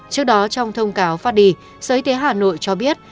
trước đó trong thông cáo phát đi sở y tế hà nội cho biết